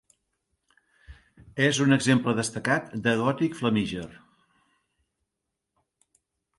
És un exemple destacat de gòtic flamíger.